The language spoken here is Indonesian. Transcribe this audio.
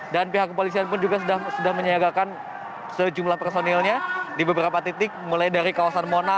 dan pihak kepolisian pun juga sudah menyegakkan sejumlah personilnya di beberapa titik mulai dari kawasan mona